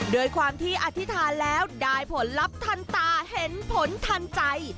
โดยความที่อธิษฐานแล้วได้ผลลัพธ์ทันตาเห็นผลทันใจ